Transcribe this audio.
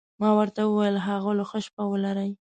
ما ورته وویل: ښاغلو، ښه شپه ولرئ.